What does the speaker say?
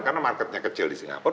karena marketnya kecil di singapura